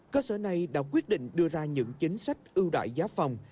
cơ sở này đã quyết định đưa ra những chính sách ưu đại giá phòng